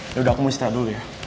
yaudah aku mau istirahat dulu ya